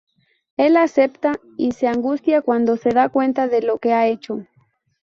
Él acepta y se angustia cuando se da cuenta de lo que ha hecho.